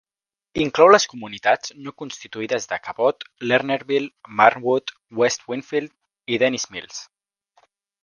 Inclou les comunitats no constituïdes de Cabot, Lernerville, Marwood, West Winfield i Dennys Mills.